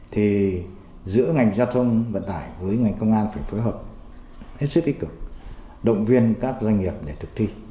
thì giữa ngành giao thông vận tải với ngành công an phải phối hợp hết sức tích cực động viên các doanh nghiệp để thực thi